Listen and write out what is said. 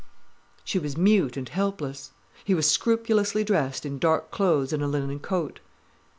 She was mute and helpless. He was scrupulously dressed in dark clothes and a linen coat.